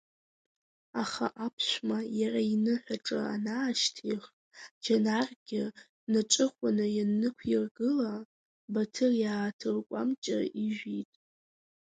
Аха аԥшәма иара иныҳәаҿа анаашьҭих, Џьанаргьы днаҿыхәаны ианнықәиргыла, Баҭыр иааҭыркәамҷа ижәит.